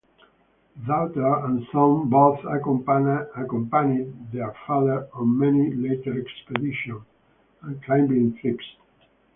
Daughter and son both accompanied their father on many later expeditions and climbing trips.